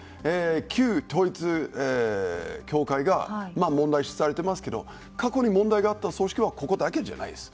旧統一教会が問題視されていますけど過去に問題があった組織はここだけではないです。